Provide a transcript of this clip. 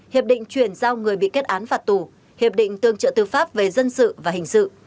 hiệp định chuyển giao người bị kết án phạt tù hiệp định tương trợ tư pháp về dân sự và hình sự